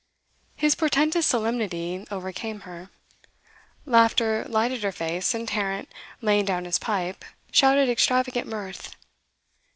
His portentous solemnity overcame her. Laughter lighted her face, and Tarrant, laying down his pipe, shouted extravagant mirth.